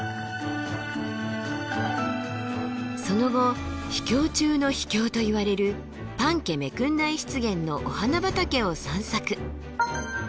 その後秘境中の秘境といわれるパンケメクンナイ湿原のお花畑を散策。